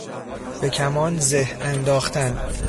به کمان زه انداختن